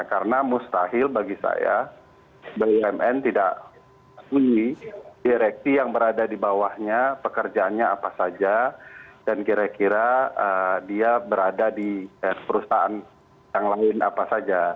karena mustahil bagi saya bumn tidak akui direkti yang berada di bawahnya pekerjaannya apa saja dan kira kira dia berada di perusahaan yang lain apa saja